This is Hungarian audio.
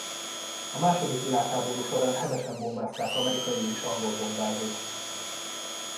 A második világháború során hevesen bombázták amerikai és angol bombázók.